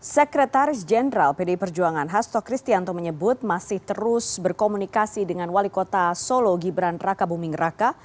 sekretaris jenderal pdi perjuangan hasto kristianto menyebut masih terus berkomunikasi dengan wali kota solo gibran raka buming raka